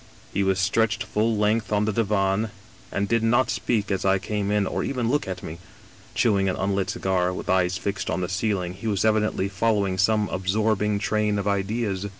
He was stretched full length on the divan, and did not speak as I came in, or even look at me. Chewing an unlit cigar, with eyes fixed on the ceiling, he was evidently^ following some absorbing train of ideas.